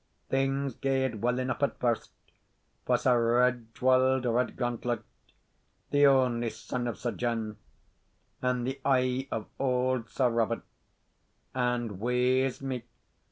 Things gaed weel aneugh at first; for Sir Regwald Redgauntlet, the only son of Sir John, and the oye of auld Sir Robert, and, wae's me!